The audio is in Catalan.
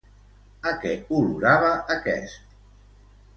A què olorava aquest?